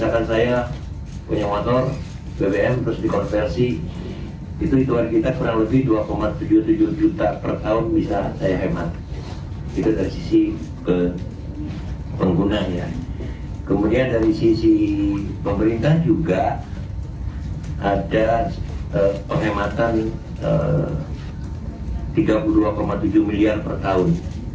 kemudian dari sisi pemerintah juga ada penghematan rp tiga puluh dua tujuh miliar per tahun